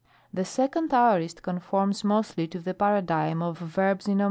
The 2d Aorist conforms mostly to the Para digm of verbs in 0.